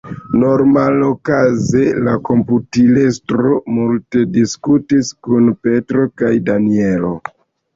Normalokaze la komputilestro multe diskutis kun Petro kaj Danjelo.